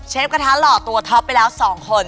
เชฟคะท้าหลอกตัวท็อปไปแล้วสองคน